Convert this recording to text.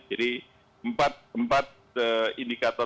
jadi empat indikator